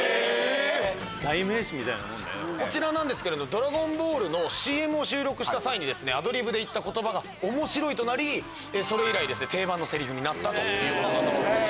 『ドラゴンボール』のＣＭを収録した際にアドリブで言った言葉が面白い！となりそれ以来定番のセリフになったということなんだそうです。